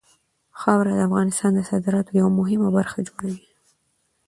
خاوره د افغانستان د صادراتو یوه مهمه برخه جوړوي.